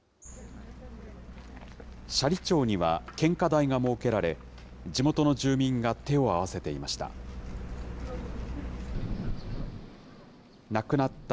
斜里町には献花台が設けられ、地元の住民が手を合わせていました。